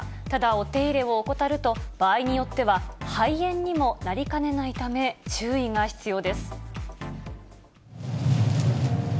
ただ、お手入れを怠ると、場合によっては肺炎にもなりかねないため、注意が必要です。